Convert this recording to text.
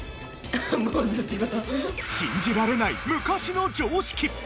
信じられない昔の常識。